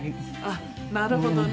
あっなるほどね。